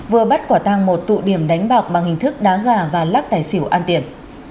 vừa bắt quả tàng một tụ điểm đánh bọc bằng hình thức đá gà và lắc tài xỉu an tiền